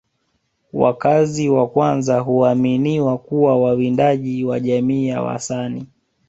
Wakazi wa kwanza huaminiwa kuwa wawindaji wa jamii ya Wasani